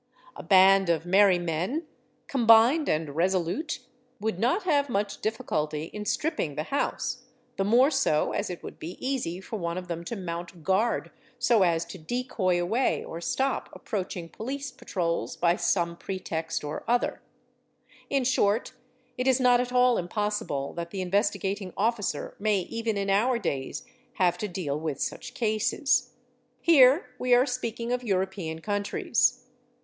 A band of 'merry men *, combined and resolute, would not have much difficulty in stripping the house, the more so as it would be easy for one of them to mount guard, so as to decoy away or stop approaching police patrols _ by some pretext or other: in short it is not at all impossible that the. Investigating Officer may even in our days have to deal with such cases. Here we are speaking of Huropean Countries.